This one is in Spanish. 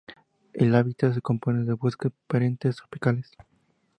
El hábitat se compone de bosques perennes tropicales.